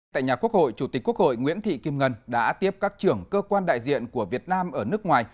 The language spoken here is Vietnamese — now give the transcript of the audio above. tại nhà quốc hội chủ tịch quốc hội nguyễn thị kim ngân đã tiếp các trưởng cơ quan đại diện của việt nam ở nước ngoài